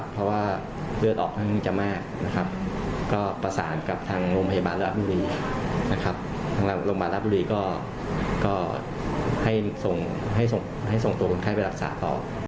ทางหลังโรงพยาบาลรัฐบุรีก็ให้ส่งตัวคนไข้ไปรักษาต่อ